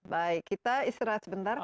baik kita istirahat sebentar